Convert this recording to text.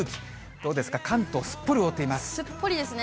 どうですか、関東、すっぽり覆っすっぽりですね。